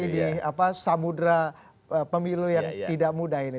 di samudera pemilu yang tidak mudah ini